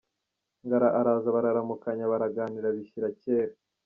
" Ngara araza bararamukanya; baraganira bishyira kera.